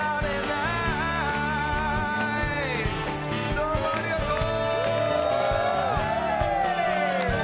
どうもありがとう！